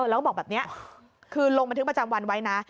แล้วบอกแบบนี้คือลงบันทึกประจำวันไว้นะ